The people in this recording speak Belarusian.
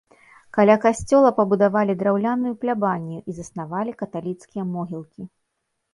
Каля касцёла пабудавалі драўляную плябанію і заснавалі каталіцкія могілкі.